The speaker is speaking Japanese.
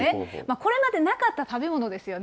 これまでなかった食べ物ですよね。